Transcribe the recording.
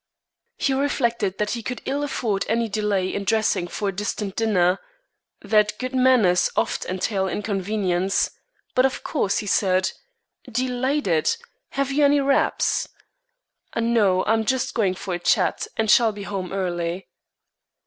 He reflected that he could ill afford any delay in dressing for a distant dinner that good manners oft entail inconvenience but of course he said: "Delighted. Have you any wraps?" "No, I am just going for a chat, and shall be home early."